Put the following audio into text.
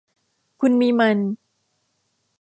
คุณมีมัน